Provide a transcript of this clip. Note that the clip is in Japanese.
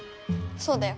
そうだよ。